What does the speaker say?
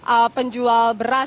eh penjual beras